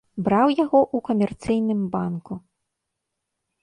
Браў яго ў камерцыйным банку.